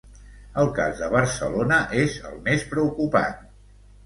El cas de Barcelona és el més preocupant.